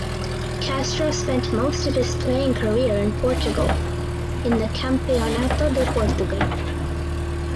Castro spent most of his playing career in Portugal in the Campeonato de Portugal.